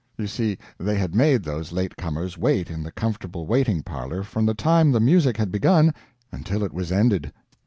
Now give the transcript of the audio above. You see, they had made those late comers wait in the comfortable waiting parlor from the time the music had begun until it was ended.